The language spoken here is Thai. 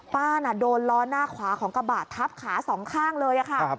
ป้าน่ะโดนล้อหน้าขวาของกระบะทับขาสองข้างเลยค่ะ